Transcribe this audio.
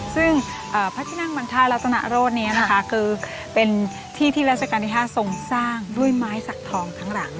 ซึ่งพระที่นั่งมันท่ารัตนโรธนี้นะคะคือเป็นที่ที่ราชการที่๕ทรงสร้างด้วยไม้สักทองทั้งหลัง